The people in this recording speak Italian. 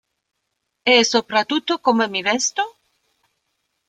E soprattutto come mi vesto?